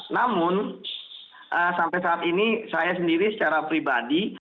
namun sampai saat ini saya sendiri secara pribadi